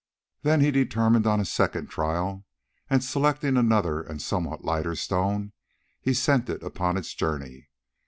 Then he determined on a second trial, and selecting another and somewhat lighter stone, he sent it upon its journey.